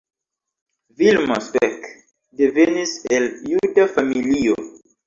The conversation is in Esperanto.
Vilmos Beck devenis el juda familio.